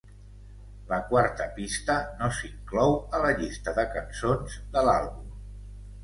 La quarta pista no s'inclou a la llista de cançons de l'àlbum.